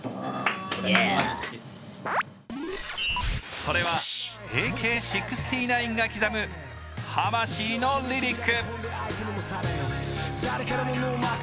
それはＡＫ−６９が刻む魂のリリック。